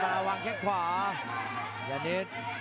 ประโยชน์ทอตอร์จานแสนชัยกับยานิลลาลีนี่ครับ